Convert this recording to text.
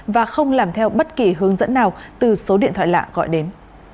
và không làm theo bất kỳ hướng dẫn nào từ số điện thoại lạ gọi đến